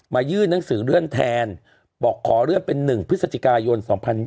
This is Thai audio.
ยื่นหนังสือเลื่อนแทนบอกขอเลื่อนเป็น๑พฤศจิกายน๒๐๒๐